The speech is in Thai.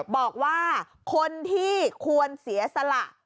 บอกว่าคนที่ควรเสียสละ